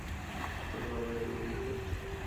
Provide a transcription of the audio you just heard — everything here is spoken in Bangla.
তোর বাবা এভাবেই করতো।